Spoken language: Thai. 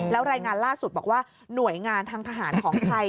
แล้วรายงานล่าสุดบอกว่าหน่วยงานทางทหารของไทย